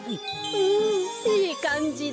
うんいいかんじだ。